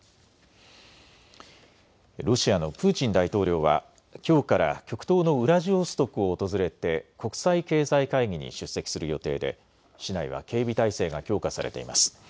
ロシアのプーチン大統領はきょうから極東のウラジオストクを訪れて国際経済会議に出席する予定で市内は警備態勢が強化されています。